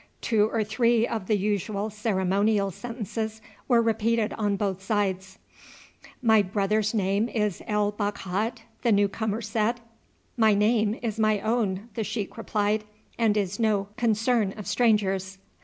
Two or three of the usual ceremonial sentences were repeated on both sides. "My brother's name is El Bakhat?" the new comer said. "My name is my own," the sheik replied, "and is no concern of strangers."